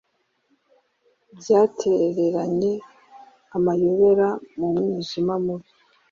byatereranye amayobera mu mwijima mubi